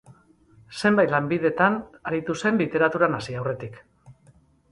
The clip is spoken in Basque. Zenbait lanbidetan aritu zen literaturan hasi aurretik.